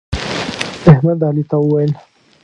احمد علي ته وویل: